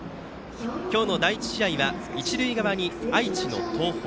今日の第１試合は一塁側に愛知の東邦。